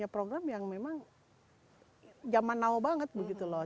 program yang memang zaman now banget begitu loh